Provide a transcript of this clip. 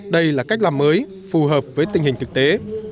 đây là cách làm mới phù hợp với tình hình thực tế